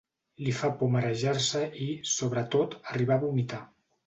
Li fa por marejar-se i, sobretot, arribar a vomitar.